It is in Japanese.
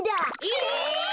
え！